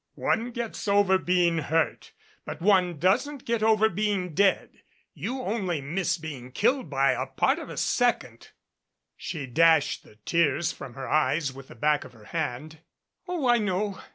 "One gets over being hurt, but one doesn't get over being dead. You only missed being killed by the part of .a second." 106 THE GATES OF CHANCE She dashed the tears from her eyes with the back of her hand. "Oh, I know.